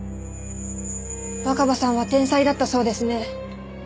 若葉さんは天才だったそうですね。